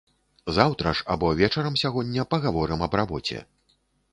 Заўтра ж або вечарам сягоння пагаворым аб рабоце.